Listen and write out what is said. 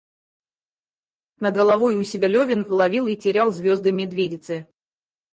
Над головой у себя Левин ловил и терял звезды Медведицы.